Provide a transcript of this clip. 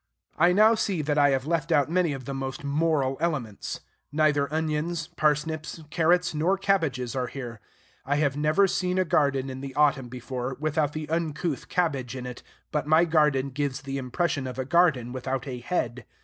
I now see that I have left out many of the most moral elements. Neither onions, parsnips, carrots, nor cabbages are here. I have never seen a garden in the autumn before, without the uncouth cabbage in it; but my garden gives the impression of a garden without a head.